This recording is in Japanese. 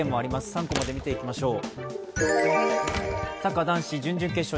「３コマ」で見ていきましょう。